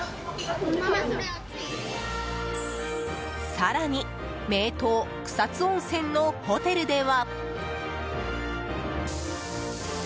更に、名湯草津温泉のホテルでは。